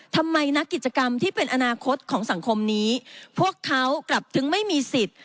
ทำไมนักกิจกรรมที่เป็นอนาคตของสังคมนี้พวกเขากลับถึงไม่มีสิทธิ์